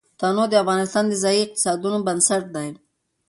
تنوع د افغانستان د ځایي اقتصادونو بنسټ دی.